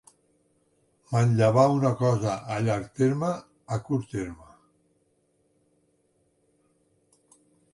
Manllevar una cosa a llarg terme, a curt terme.